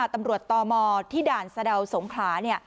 ตำรวจตมที่ด่านสะดาวสงขลา